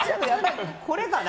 これかな。